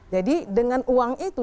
jadi dengan uang itu